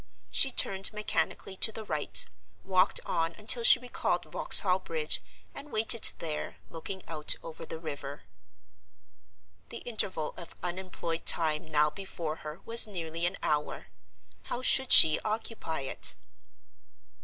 She turned mechanically to the right, walked on until she recalled Vauxhall Bridge, and waited there, looking out over the river. The interval of unemployed time now before her was nearly an hour. How should she occupy it?